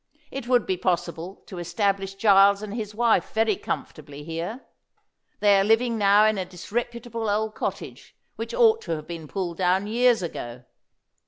"It would be possible to establish Giles and his wife very comfortably here. They are living now in a disreputable old cottage which ought to have been pulled down years ago."